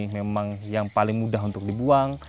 memang yang paling mudah untuk dibuang